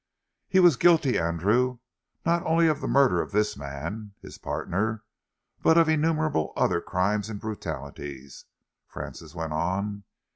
"He was guilty, Andrew, not only of the murder of this man, his partner, but of innumerable other crimes and brutalities," Francis went on.